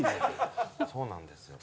そうなんですよ。